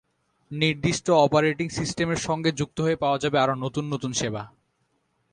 নির্দিষ্ট অপারেটিং সিস্টেমের সঙ্গে যুক্ত হয়ে পাওয়া যাবে আরও নতুন নতুন সেবা।